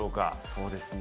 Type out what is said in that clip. そうですね。